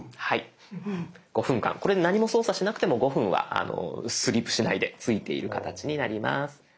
５分間これで何も操作しなくても５分はスリープしないでついている形になります。